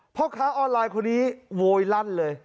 พ่อค้าออนไลน์คนนี้โวยลั่นเลย